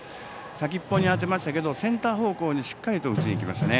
先っぽに当てましたけどセンター方向にしっかり打ちに行きましたね。